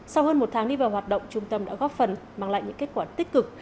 sau hơn một tháng đi vào hoạt động trung tâm đã góp phần mang lại những kết quả tích cực